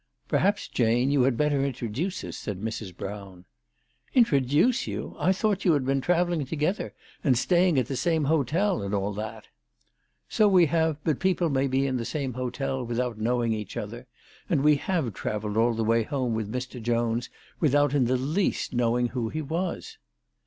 "Perhaps, Jane, you had better introduce us," said Mrs. Brown. " Introduce you ! I thought you had been travelling together, and staying at the same hotel and all that." " So we have ; but people may be in the same hotel without knowing each other. And we have travelled all the way home with Mr. Jones without in the least knowing who he was."